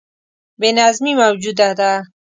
بې نظمي موجوده ده.